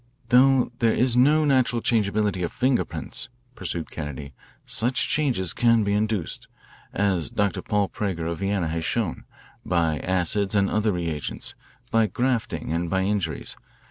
"Though there is no natural changeability of finger prints," pursued Kennedy, "such changes can be induced, as Dr. Paul Prager of Vienna has shown, by acids and other reagents, by grafting and by injuries.